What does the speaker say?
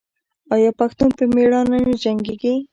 آیا پښتون په میړانه نه جنګیږي؟